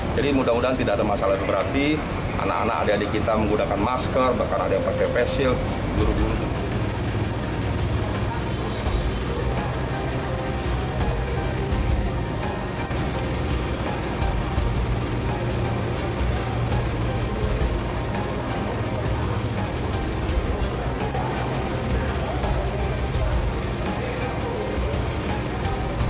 jadi mudah mudahan tidak ada masalah di berhati anak anak adik adik kita menggunakan masker bahkan ada yang pakai face shield